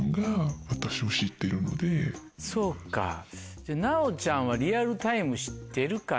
そうかじゃあ奈央ちゃんはリアルタイム知ってるかな？